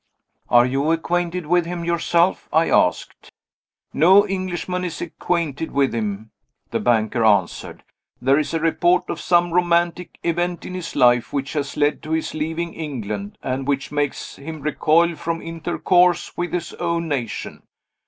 "Are you acquainted with him yourself?" I asked. "No Englishman is acquainted with him," the banker answered. "There is a report of some romantic event in his life which has led to his leaving England, and which makes him recoil from intercourse with his own nation.